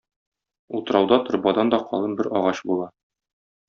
Утрауда торбадан да калын бер агач була.